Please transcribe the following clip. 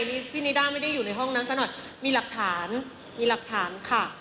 นี่พี่นิด้าไม่ได้อยู่ในห้องนั้นซะหน่อยมีหลักฐานมีหลักฐานค่ะ